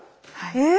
はい。